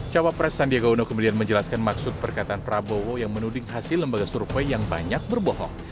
cawa pres sandiaga uno kemudian menjelaskan maksud perkataan prabowo yang menuding hasil lembaga survei yang banyak berbohong